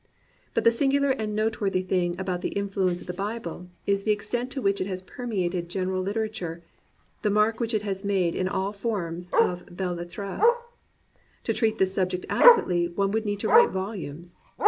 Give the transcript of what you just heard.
But the singular and noteworthy thing about the influence of the Bible is the extent to which it has permeated gen eral literature, the mark which it has made in all forms of belles lettres. To treat this subject ade quately one would need to write volumes.